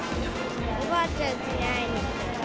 おばあちゃんちに会いに行く。